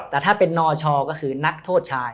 แต่ถ้าเป็นนชก็คือนักโทษชาย